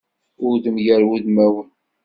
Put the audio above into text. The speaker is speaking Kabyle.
Udem gar wudmawen.